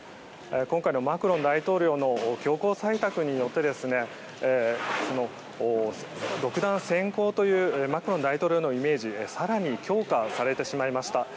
今回のマクロン大統領の強硬採択によって独断専行というマクロン大統領のイメージ更に強化されてしまいました。